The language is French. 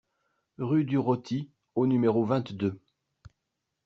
Rue du Roty au numéro vingt-deux